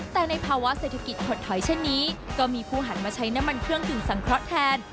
แต่ในภาวะเศรษฐกิจถดถอยเช่นนี้ก็มีผู้หันมาใช้น้ำมันเครื่องดื่มสังเคราะห์แทน